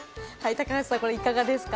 高橋さん、いかがですか？